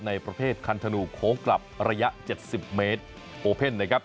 ในประเภทคันธนูโค้งกลับระยะ๗๐เมตรโอเพ่นนะครับ